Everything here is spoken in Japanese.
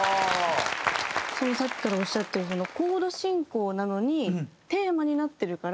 さっきからおっしゃってるコード進行なのにテーマになってるから。